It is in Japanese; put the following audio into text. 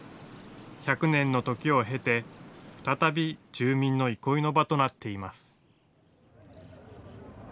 １００年の時を経て再び住民の憩いの場となっています。